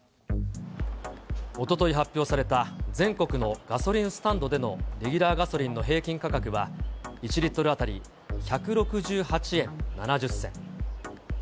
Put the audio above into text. おととい発表された全国のガソリンスタンドでのレギュラーガソリンの平均価格は、１リットル当たり１６８円７０銭。